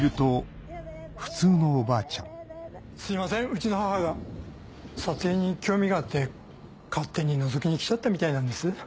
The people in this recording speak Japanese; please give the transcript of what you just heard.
すいませんうちの母が撮影に興味があって勝手にのぞきに来ちゃったみたいなんです。